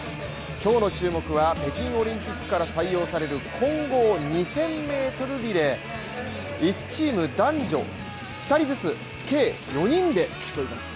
今日の注目は、北京オリンピックから採用される混合２０００メートルリレーで１チームの男女２人ずつ、計４人で競います。